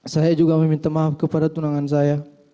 saya juga meminta maaf kepada tunangan saya